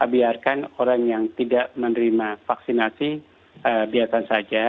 biarkan orang yang tidak menerima vaksinasi biarkan saja